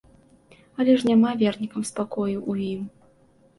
Але ж няма вернікам спакою ў ім.